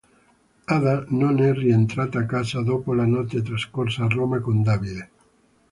Ada non è rientrata a casa dopo la notte trascorsa a Roma con Davide.